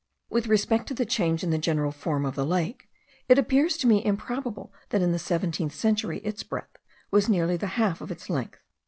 With respect to the change in the general form of the lake, it appears to me improbable that in the seventeenth century its breadth was nearly the half of its length.